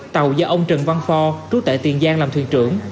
tàu do ông trần văn phò trú tại tiền giang làm thuyền trưởng